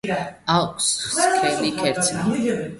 აქვს სქელი ქერცლი.